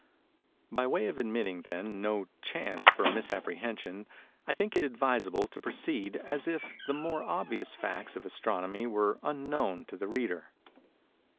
By way of admitting, then, no chance for misapprehension, I think it advisable to proceed as if even the more obvious facts of Astronomy were unknown to the reader.